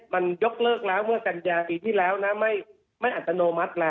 มันยกเลิกแล้วเมื่อกันยาปีที่แล้วนะไม่อัตโนมัติแล้ว